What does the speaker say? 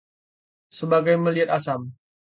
Sebagai melihat asam